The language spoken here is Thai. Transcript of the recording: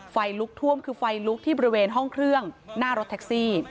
ไฟลุกท่วมคือไฟลุกที่บริเวณห้องเครื่องหน้ารถแท็กซี่